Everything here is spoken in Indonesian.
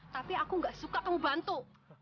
tapi aku gak suka kamu bantu